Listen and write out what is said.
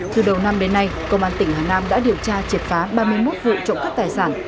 từ đầu năm đến nay công an tỉnh hà nam đã điều tra triệt phá ba mươi một vụ trộm cắp tài sản